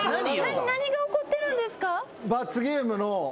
何が起こってるんですか？